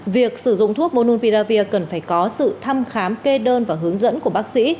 việc sử dụng thuốc monunviravir cần phải có sự thăm khám kê đơn và hướng dẫn của bác sĩ